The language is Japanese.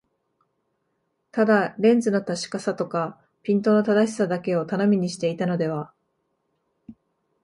ただレンズの確かさとかピントの正しさだけを頼みにしていたのでは、